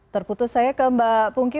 terputus saya ke mbak pungki